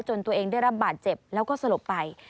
ตัวเองได้รับบาดเจ็บแล้วก็สลบไป